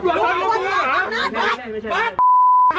พอหา